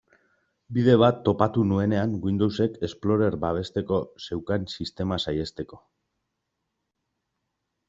Bide bat topatu nuenean Windowsek Explorer babesteko zeukan sistema saihesteko.